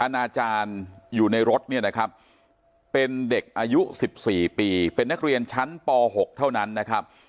นาจารย์อยู่ในรถเนี่ยนะครับเป็นเด็กอายุ๑๔ปีเป็นนักเรียนชั้นป๖เท่านั้นนะครับ